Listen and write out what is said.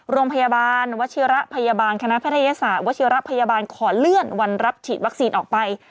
โรงพยาบาลวัชิระพยาบาลคณะแพทยศาสตวชิระพยาบาลขอเลื่อนวันรับฉีดวัคซีนออกไป